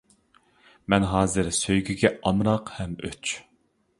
مەن ھازىر سۆيگۈگە ئامراق ھەم ئۆچ.